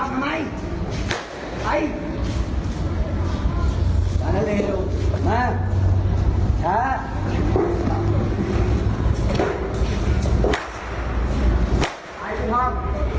นะครับ